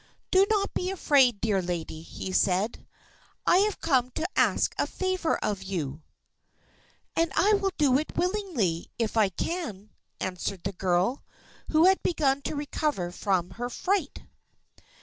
"Do not be afraid, dear lady," he said. "I have come to ask a favour of you." "And I will do it willingly, if I can," answered the girl, who had begun to recover from her fright.